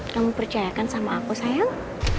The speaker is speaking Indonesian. kamu percayakan sama aku sayang